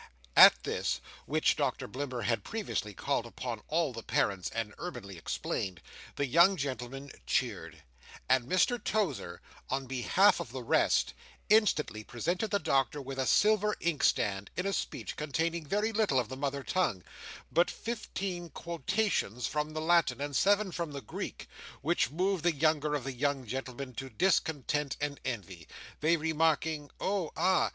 At this (which Doctor Blimber had previously called upon all the parents, and urbanely explained), the young gentlemen cheered; and Mr Tozer, on behalf of the rest, instantly presented the Doctor with a silver inkstand, in a speech containing very little of the mother tongue, but fifteen quotations from the Latin, and seven from the Greek, which moved the younger of the young gentlemen to discontent and envy: they remarking, "Oh, ah.